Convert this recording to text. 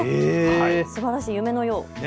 すばらしい、夢のよう。